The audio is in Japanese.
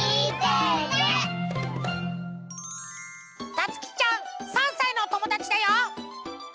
たつきちゃん３さいのおともだちだよ！